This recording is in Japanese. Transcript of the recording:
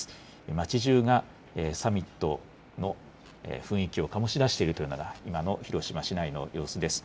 街中がサミットの雰囲気を醸し出しているというのが今の広島市内の様子です。